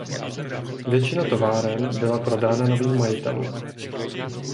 Většina továren byla prodána novým majitelům.